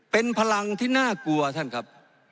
เป็นพลังที่น่ากลัวท่านครับ